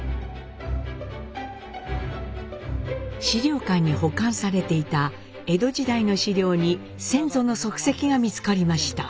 史料館に保管されていた江戸時代の史料に先祖の足跡が見つかりました。